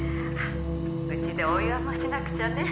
「うちでお祝いもしなくちゃね」